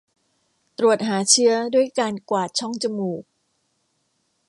ตรวจหาเชื้อด้วยการกวาดช่องจมูก